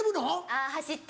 あぁ走って。